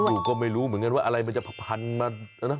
อยู่ก็ไม่รู้เหมือนกันว่าอะไรมันจะพันมานะ